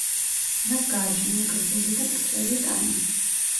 მას გააჩნია გრძელი და ბრტყელი ტანი.